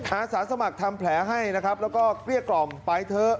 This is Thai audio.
อาสาสมัครทำแผลให้นะครับแล้วก็เกลี้ยกล่อมไปเถอะ